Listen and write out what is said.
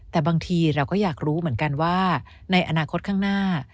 แต่บางทีเราก็อยากรู้เหมือนกันว่าในอนาคตข้างหน้า